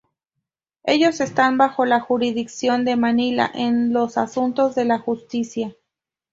Ellos están bajo la jurisdicción de Manila, en los asuntos de la justicia.